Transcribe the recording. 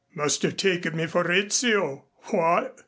Must have taken me for Rizzio. What?"